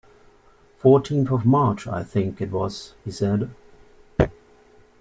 ‘Fourteenth of March, I think it was,’ he said.